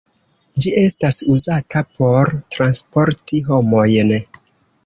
Ĝi estas uzata por transporti homojn.